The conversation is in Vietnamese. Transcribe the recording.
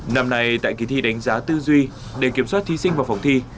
năm nay tại kỳ thi đánh giá tư duy để kiểm soát thí sinh vào phòng thi